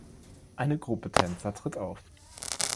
Eine Gruppe Tänzer tritt auf